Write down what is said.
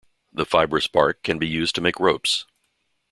The fibrous bark can be used to make ropes.